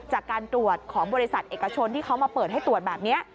จากการตรวจของบริษัทเอกชนที่เขามาเปิดให้ตรวจแบบนี้